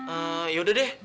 eh ya udah deh